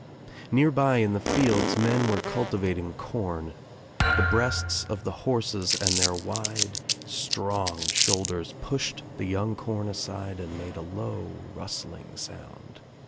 Nearby in the fields men were cultivating corn. The breasts of the horses and their 1 wide strong shoulders pushed the young corn aside and j made a low rustling sound.